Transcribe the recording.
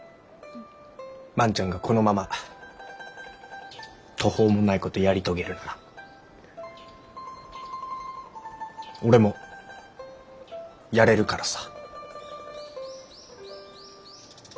万ちゃんがこのまま途方もないことやり遂げるなら俺もやれるからさ。